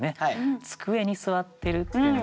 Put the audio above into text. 机に座ってるっていうので。